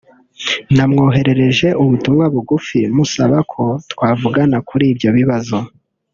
namwoherereje ubutumwa bugufi musaba ko twavugana kuri ibyo bibazo